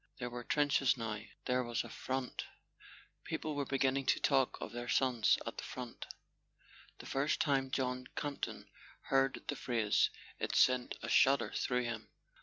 There were trenches now, there was a "Front"—people were beginning to talk of their sons at the front. The first time John Campton heard the phrase it sent a shudder through him.